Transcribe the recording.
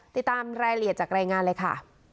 ติดตามรายละเอียดจากรายงานเลยค่ะ